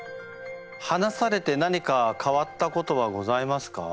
話されて何か変わったことはございますか？